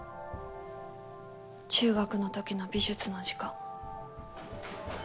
中学の時の美術の時間。